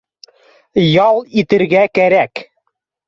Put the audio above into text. Ял итергә кәрәк